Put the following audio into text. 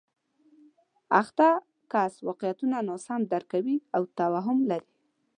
اخته کس واقعیتونه ناسم درک کوي او توهم لري